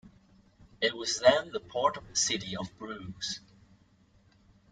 It was then the port of the city of Bruges.